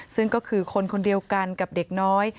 ซึ่งก็คือคนคนเดียวกันกับเด็กน้อย